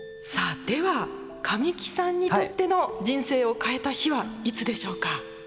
さあでは神木さんにとっての人生を変えた日はいつでしょうか？